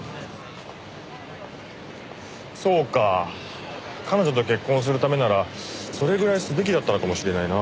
そうか彼女と結婚するためならそれぐらいすべきだったのかもしれないな。